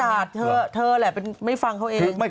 นางประกาศเธอแหละไม่ฟังเขาเอง